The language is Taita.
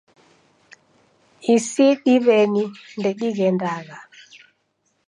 Isi diw'eni ndedighendagha